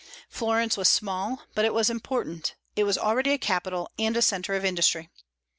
Florence was small, but it was important; it was already a capital, and a centre of industry.